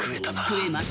食えます。